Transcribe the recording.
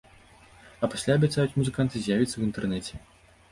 А пасля, абяцаюць музыканты, з'явіцца і ў інтэрнэце.